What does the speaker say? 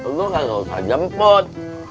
lo kan gak usah jemput